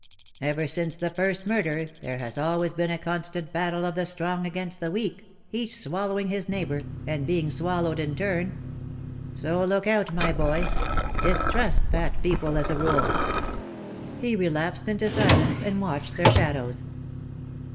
Ever since the first murder, there has always been a constant battle of the strong against the weak, each swallowing his neighbor, and being swallowed in turn. So look out, my boy; distrust Fat people as a rule." He relapsed into silence, and watched their shadows.